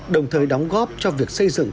đồng thời đóng góp cho việc xây dựng